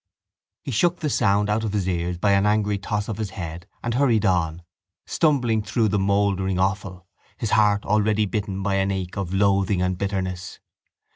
He shook the sound out of his ears by an angry toss of his head and hurried on, stumbling through the mouldering offal, his heart already bitten by an ache of loathing and bitterness.